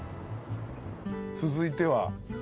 続いては？